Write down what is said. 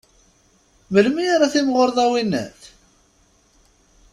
Melmi ara timɣureḍ, a winnat?